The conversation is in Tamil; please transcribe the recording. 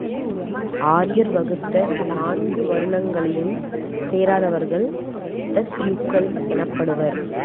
ஆரியர் வகுத்த நான்கு வருணங்களையும் சேராதவர்கள் தஸ்யூக்கள் எனப்படுவர்.